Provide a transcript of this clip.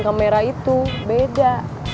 kamera itu beda